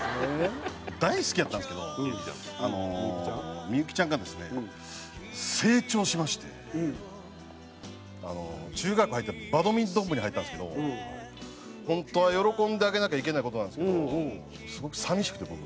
大好きやったんですけどみゆきちゃんがですね成長しまして中学入ってバドミントン部に入ったんですけど本当は喜んであげなきゃいけない事なんですけどすごく寂しくて僕。